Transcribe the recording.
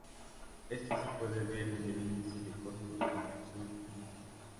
Esto se puede ver en el índice de costo de construcción en la Fig.